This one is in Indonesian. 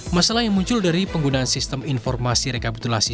masalah yang muncul dari penggunaan sistem informasi rekapitulasi